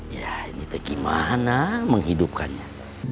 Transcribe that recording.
ya ini gimana menghidupkannya